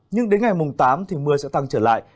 nhưng đến ngày mùng tám thì mưa sẽ tăng trở lại